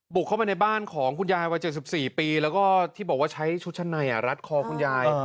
ปลูกเข้าไปในบ้านของคุณยาย๗๔ปีและใช้ชุดชัดในรัดคอคุณยาย